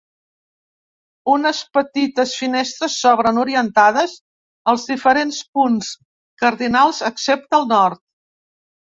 Unes petites finestres s'obren orientades als diferents punts cardinals excepte el nord.